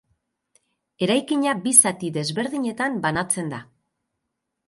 Eraikina bi zati desberdinetan banatzen da.